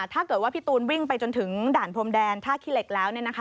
ถ้าเกิดว่าพี่ตูนวิ่งไปจนถึงด่านพรมแดนท่าขี้เหล็กแล้ว